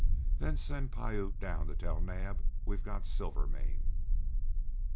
Then send Piute down to tell Naab we've got Silvermane."